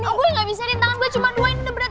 oh gue gak bisa di tangan gue cuma dua ini udah berat